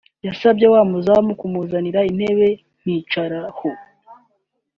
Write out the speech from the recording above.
yasabye wa muzamu kunzanira intebe nkicaraho